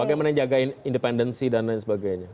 bagaimana jagain independensi dan lain sebagainya